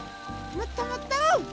もっともっと！